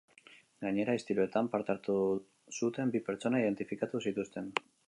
Gainera, istiluetan parte hartu zuten bi pertsona identifikatu zituzten.